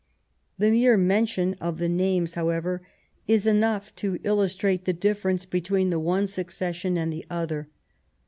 The mere mention of the names, however, is enough to illustrate the difference between the one succession and the other.